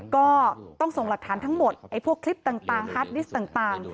ก็ต้องส่งหลักฐานทั้งหมดไอ้พวกคลิปต่างฮาร์ดดิสต์ต่าง